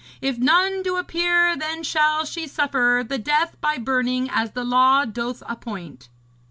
If none do appear, then shall she suffer the death by burning as the law doth appoint.'